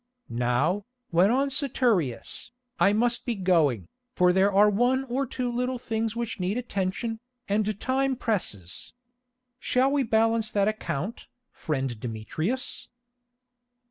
"Now," went on Saturius, "I must be going, for there are one or two little things which need attention, and time presses. Shall we balance that account, friend Demetrius?"